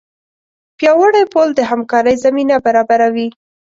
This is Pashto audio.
پیاوړی پل د همکارۍ زمینه برابروي.